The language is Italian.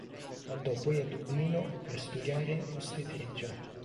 Andò poi a Dublino per studiare ostetricia.